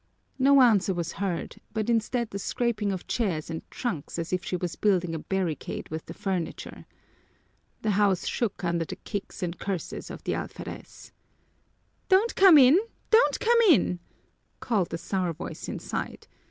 No answer was heard, but instead the scraping of chairs and trunks as if she was building a barricade with the furniture. The house shook under the kicks and curses of the alferez. "Don't come in, don't come in!" called the sour voice inside.